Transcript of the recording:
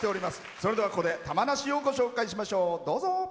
それでは、ここで玉名市をご紹介しましょう。